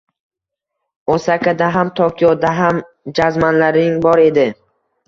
Osakada ham, Tokioda ham jazmanlaring bor edi